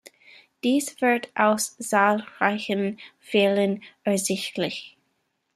Dies wird aus zahlreichen Fällen ersichtlich.